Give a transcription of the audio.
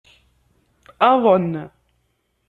Aḍen.